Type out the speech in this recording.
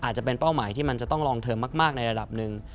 อาจจะเป็นเป้าหมายที่มันจะต้องลองเทอมมากในระดับหนึ่ง